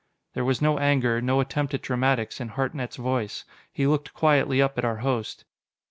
There was no anger, no attempt at dramatics, in Hartnett's voice. He looked quietly up at our host.